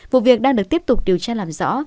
vụ việc đang được tiếp tục điều tra làm rõ